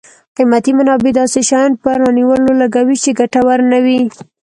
قیمتي منابع داسې شیانو په رانیولو لګوي چې ګټور نه وي.